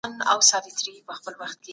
د پښو ارام ټول بدن اراموي